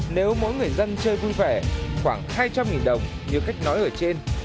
nếu mỗi người dân chơi vui vẻ khoảng hai trăm linh đồng như cách nói ở trên